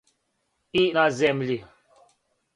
И на земљи.